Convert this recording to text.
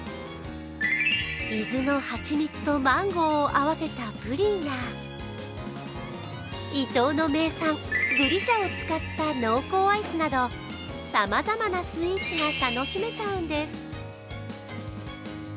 伊豆の蜂蜜とマンゴーを合わせたプリンや、伊東の名産・ぐり茶を使った濃厚アイスなどさまざまなスイーツが楽しめちゃうんです。